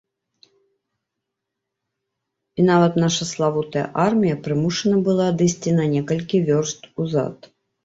І нават наша славутая армія прымушана была адысці на некалькі вёрст узад.